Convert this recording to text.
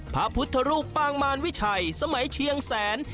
พระพุทธรูปปางมารวิชัยสมัยเชียงแสน